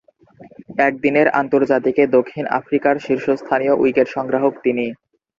একদিনের আন্তর্জাতিকে দক্ষিণ আফ্রিকার শীর্ষস্থানীয় উইকেট-সংগ্রাহক তিনি।